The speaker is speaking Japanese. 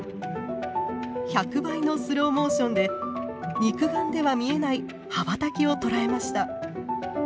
１００倍のスローモーションで肉眼では見えない羽ばたきを捉えました。